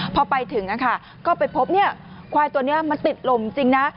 พอไปถึงก็ไปพบควายตัวนี้มันติดลมจริงนะ